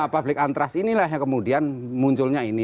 public antras inilah yang kemudian munculnya ini